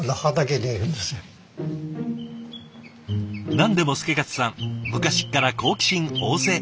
何でも祐勝さん昔から好奇心旺盛。